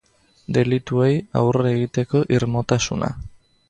Delituei aurre egiteko irmotasuna.